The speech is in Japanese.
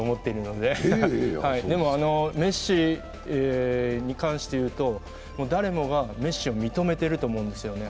でもメッシに関して言うと誰もがメッシを認めてると思うんですよね。